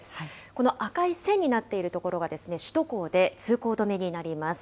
この赤い線になっている所が、首都高で通行止めになります。